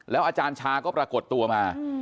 อาจารย์ชาก็ปรากฏตัวมา